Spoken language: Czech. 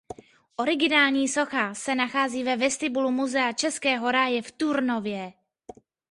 Originální socha se nachází ve vestibulu Muzea Českého ráje v Turnově.